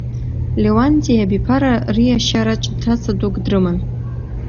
Леуанти иабиԥара риашьараҿ ҭаца дук дрыман.